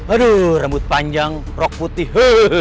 aduh rambut panjang rok putih